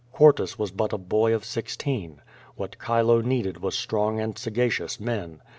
Quartus was but a boy of sixteen. What Chilo needed was strong and sagacious men.